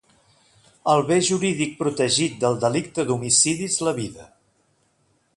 El bé jurídic protegit del delicte d'homicidi és la vida.